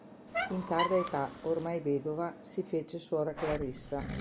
In tarda età, ormai vedova, si fece suora clarissa.